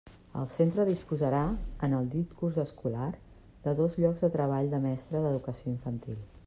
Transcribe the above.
El centre disposarà, en el dit curs escolar, de dos llocs de treball de mestre d'Educació Infantil.